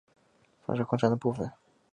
反射光栅的部分。